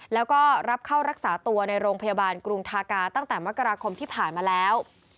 แล้วก็รับเข้ารักษาตัวในโรงพยาบาลกรุงทากาตั้งแต่มกราคมที่ผ่านมาแล้ว